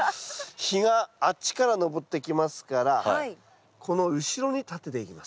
日があっちから昇ってきますからこの後ろに立てていきます。